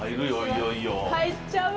入っちゃう！